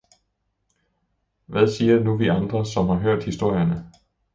Hvad siger nu vi andre, som har hørt historierne?